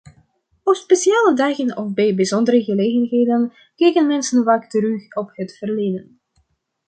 Op speciale dagen of bij bijzondere gelegenheden kijken mensen vaak terug op het verleden.